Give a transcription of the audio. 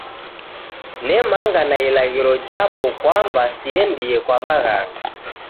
Nemanga na ilaghiro japo kwamba siendie kwa waghanga